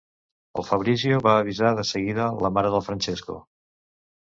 El Fabrizio va avisar de seguida la mare del Francesco.